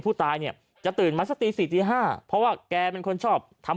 ผู้ตายเนี่ยจะตื่นมาสักตีสี่ตีห้าเพราะว่าแกเป็นคนชอบทำ